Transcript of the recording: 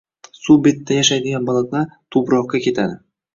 Suv betida yashaydigan baliqlar tubroqqa ketadi.